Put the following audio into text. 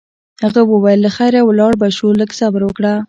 هغې وویل: له خیره ولاړ به شو، لږ صبر وکړه.